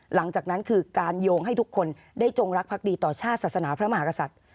หลังจากนั้นคือการโยงให้ทุกคนได้จงรักภักดีต่อชาติศาสนาพระมหากษัตริย์